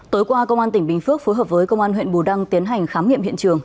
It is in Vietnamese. tối qua công an tỉnh bình phước phối hợp với công an huyện bù đăng tiến hành khám nghiệm hiện trường